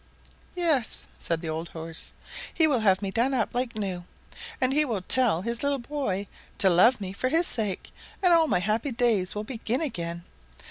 "Yes," said the old horse; "he will have me done up like new, and he will tell his little boy to love me for his sake, and all my happy days will begin again.